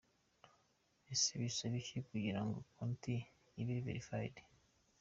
Ese bisaba iki kugira ngo konti ibe verified?.